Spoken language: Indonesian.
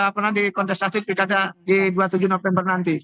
pernah dikontestasi di dua puluh tujuh november nanti